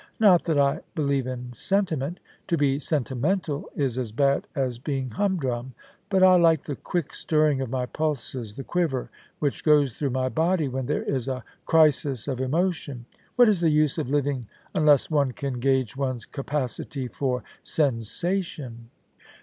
Not that I believe in sentiment To be sentimental is as bad as being humdrum ; but I like the quick stirring of my pulses, the quiver which goes through my body when there is a crisis of emotion. WTiat is the use of living unless one can gauge one's capacity for sensation